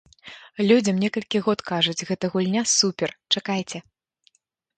Людзям некалькі год кажуць, гэта гульня супер, чакайце.